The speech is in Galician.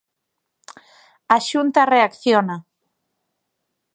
A Xunta reacciona.